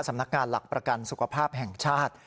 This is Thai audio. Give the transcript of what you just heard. สำนักงานหลักประกันสุขภาพแห่งชาติ